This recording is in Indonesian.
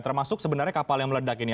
termasuk sebenarnya kapal yang meledak ini